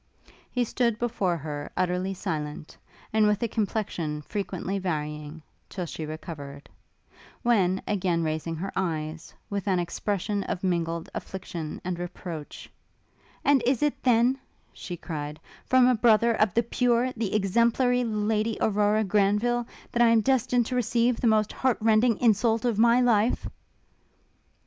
He stood before her utterly silent, and with a complexion frequently varying, till she recovered; when, again raising her eyes, with an expression of mingled affliction and reproach, 'And is it, then,' she cried, 'from a brother of the pure, the exemplary Lady Aurora Granville, that I am destined to receive the most heart rending insult of my life?'